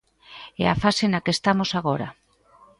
É a fase na que estamos agora.